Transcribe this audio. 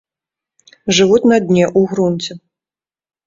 Жывуць на дне, у грунце.